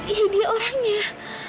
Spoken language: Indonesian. iya dia orangnya